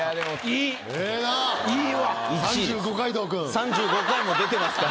３５回も出てますから。